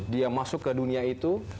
dia masuk ke dunia itu